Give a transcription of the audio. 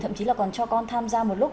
thậm chí là còn cho con tham gia một lúc